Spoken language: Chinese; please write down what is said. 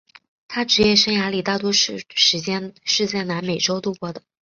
他职业生涯里大多数时间是在南美洲度过。